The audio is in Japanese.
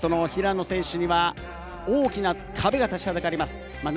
しかし、その平野選手には大きな壁が立ちはだかります。